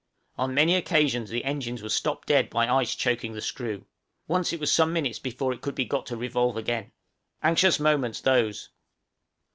On many occasions the engines were stopped dead by ice choking the screw; once it was some minutes before it could be got to revolve again. Anxious moments those!